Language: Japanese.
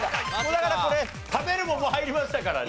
だからこれ「食べる」も入りましたからね。